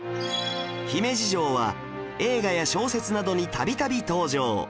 姫路城は映画や小説などに度々登場